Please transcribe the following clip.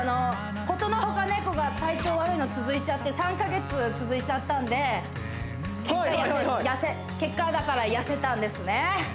ことの外ネコが体調悪いの続いちゃって３カ月続いちゃったんで結果だから痩せたんですね